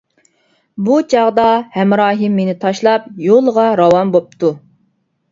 بۇ چاغدا، ھەمراھىم مېنى تاشلاپ يولىغا راۋان بوپتۇ.